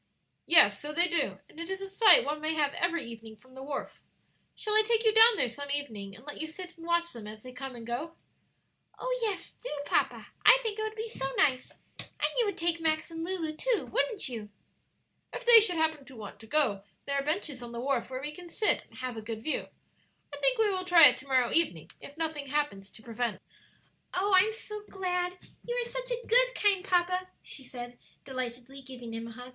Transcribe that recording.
"Yes, so they do; and it is a sight one may have every evening from the wharf. Shall I take you down there some evening and let you sit and watch them as they come and go?" "Oh, yes, do, papa; I think it would be so nice! And you would take Max and Lulu too, wouldn't you?" "If they should happen to want to go; there are benches on the wharf where we can sit and have a good view. I think we will try it to morrow evening if nothing happens to prevent." "Oh, I'm so glad! You are such a good, kind papa," she said, delightedly, giving him a hug.